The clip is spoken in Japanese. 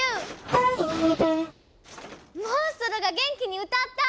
モンストロが元気に歌った！